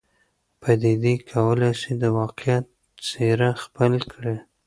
پدیدې کولای سي د واقعیت څېره خپل کړي.